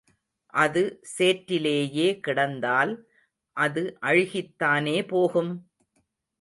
அது சேற்றிலேயே கிடந்தால், அது அழுகித்தானே போகும்?